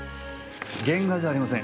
原画じゃありません。